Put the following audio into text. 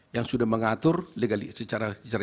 yang sudah mengatur legal secara